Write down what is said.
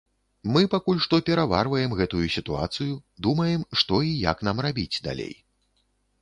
Мы пакуль што пераварваем гэтую сітуацыю, думаем, што і як нам рабіць далей.